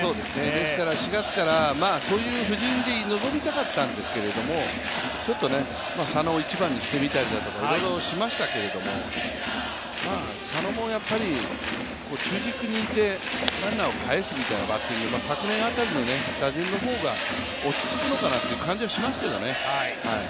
ですから４月からそういう布陣で臨みたかったんですけどちょっと佐野を１番にしてみたりだとかいろいろしましたけれども、佐野も中軸にいてランナーを返すみたいなバッティング、昨年辺りの打順の方が落ち着くのかなという感じはしますけどね。